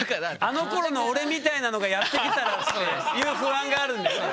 あのころの俺みたいなのがやって来たらっていう不安があるんですよ。